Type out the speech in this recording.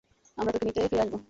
আমরা তোকে নিতে ফিরে আসবো।